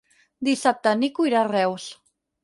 Dissabte en Nico irà a Reus.